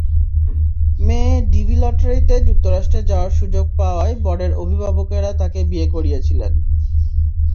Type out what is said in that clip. মেয়ে ডিভি লটারিতে যুক্তরাষ্ট্রে যাওয়ার সুযোগ পাওয়ায় বরের অভিভাবকেরা তাঁকে বিয়ে করিয়েছিলেন।